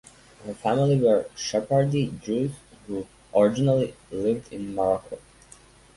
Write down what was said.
Her family were Sephardi Jews who originally lived in Morocco.